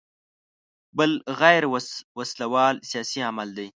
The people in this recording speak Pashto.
بل غیر وسله وال سیاسي عمل دی.